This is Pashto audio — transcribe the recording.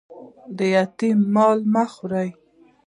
د یتیم مال مه خورئ